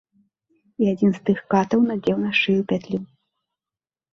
І адзін з тых катаў надзеў на шыю пятлю.